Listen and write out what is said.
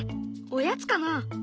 おやつかな？